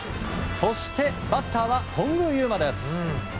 そしてバッターは頓宮裕真です。